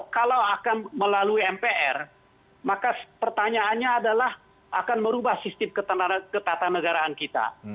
kalau akan melalui mpr maka pertanyaannya adalah akan merubah sistem ketatanegaraan kita